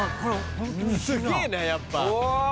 すげぇなやっぱ。